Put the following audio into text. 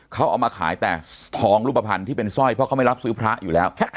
เขาเอามาขายแต่ทองรูปภัณฑ์ที่เป็นสร้อยเพราะเขาไม่รับซื้อพระอยู่แล้ว